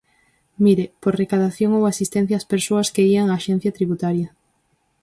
Mire, por recadación ou asistencia ás persoas que ían á Axencia Tributaria.